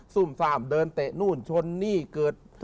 ซุ่มซ่ามเดินเตะนู่นชนนี่เกิด